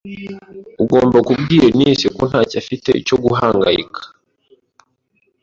Ugomba kubwira Eunice ko ntacyo afite cyo guhangayika.